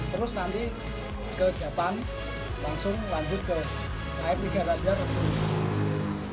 terus nanti ke japan langsung lanjut ke air tiga derajat